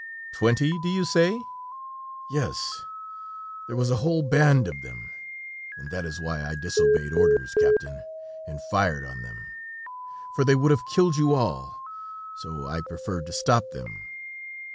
"Twenty, do you say?" "Yes, there was a whole band of them, and that is why I disobeyed orders, captain, and fired on them, for they would have killed you all, so I preferred to stop them.